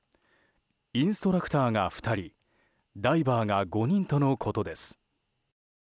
インストラクターが２人ダイバーが５人とのことです。